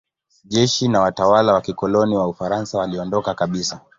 Jeshi na watawala wa kikoloni wa Ufaransa waliondoka kabisa.